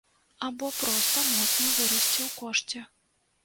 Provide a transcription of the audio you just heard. Або проста моцна вырасце ў кошце.